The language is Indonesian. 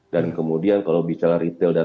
dan kemudian kalau bicara retail dan